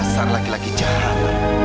gasar laki laki jahat